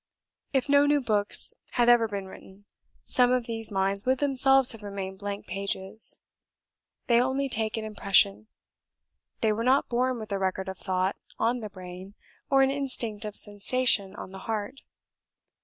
If no new books had ever been written, some of these minds would themselves have remained blank pages: they only take an impression; they were not born with a record of thought on the brain, or an instinct of sensation on the heart.